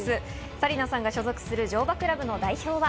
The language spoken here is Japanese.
紗理奈さんが所属する乗馬クラブの代表は。